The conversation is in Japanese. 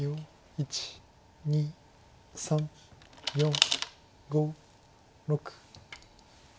１２３４５６。